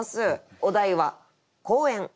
お題は「公園」。